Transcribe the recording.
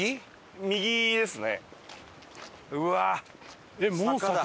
右ですね。